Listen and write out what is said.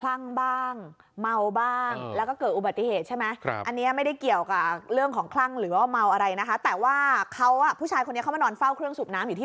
คลั่งบ้างเมาบ้างแล้วก็เกิดอุบัติเหตุใช่ไหมครับอันนี้ไม่ได้เกี่ยวกับเรื่องของคลั่งหรือว่าเมาอะไรนะคะแต่ว่าเขาอ่ะผู้ชายคนนี้เข้ามานอนเฝ้าเครื่องสูบน้ำอยู่ที่